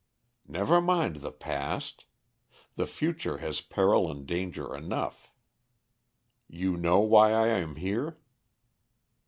Never mind the past the future has peril and danger enough. You know why I am here?"